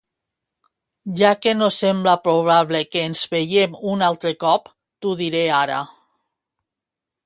Ja que no sembla probable que ens veiem un altre cop, t'ho diré ara.